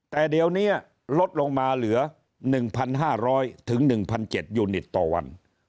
แต่เดี๋ยวนี้ลดลงมาเหลือ๑๕๐๐๑๗๐๐ยูนิตต่อวัน